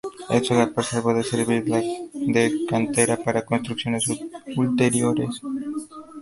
Esto lo preservó de servir de cantera para construcciones ulteriores.